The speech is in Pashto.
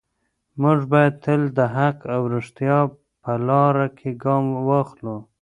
موږ باید تل د حق او ریښتیا په لاره کې ګام واخلو.